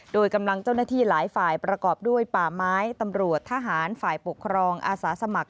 โดยกำลังเจ้าหน้าที่หลายฝ่ายประกอบด้วยป่าไม้ตำรวจทหารฝ่ายปกครองอาสาสมัคร